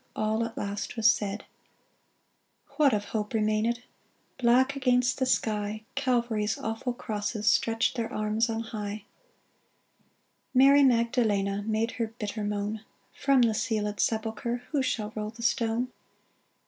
All at last was said. 406 DAYBREAK What of hope remained ? Black against the sky, Calvary's awful crosses Stretched their arms on high I Mary Magdalene Made her bitter moan :" From the sealed sepulchre Who shall roll the stone